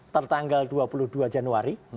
tertanggal dua puluh dua januari